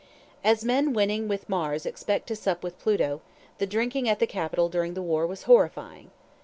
As men wining with Mars expect to sup with Pluto, the drinking at the capital during the war was horrifying.